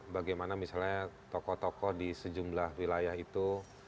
bagaimana misalnya tokoh tokoh di sejumlah wilayah itu